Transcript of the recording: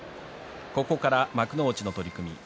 ここから幕内の取組。